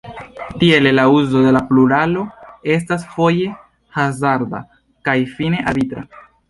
Tiele la "uzo de la pluralo estas foje hazarda kaj fine arbitra".